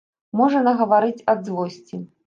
Можа нагаварыць ад злосці.